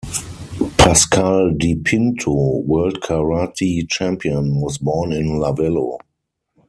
Pasquale Di Pinto, World Karate Champion, was born in Lavello.